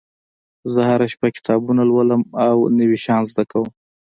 زه هره شپه کتابونه لولم او نوي شیان زده کوم